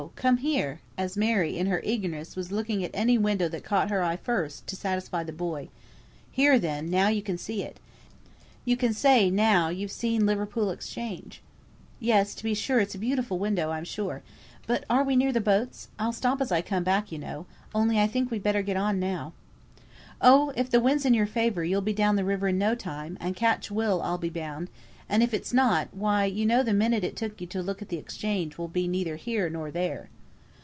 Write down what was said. come here," as Mary, in her eagerness, was looking at any window that caught her eye first, to satisfy the boy. "Here, then, now you can see it. You can say, now, you've seen Liverpool Exchange." "Yes, to be sure it's a beautiful window, I'm sure. But are we near the boats? I'll stop as I come back, you know; only I think we'd better get on now." "Oh! if the wind's in your favour, you'll be down the river in no time, and catch Will, I'll be bound; and if it's not, why, you know, the minute it took you to look at the Exchange will be neither here nor there."